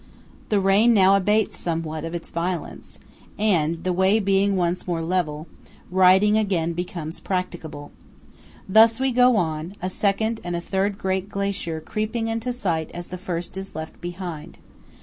The rain now abates somewhat of its violence, and, the way being once more level, riding again becomes practicable. Thus we go on; a second and a third great glacier creeping into sight as the first is left behind.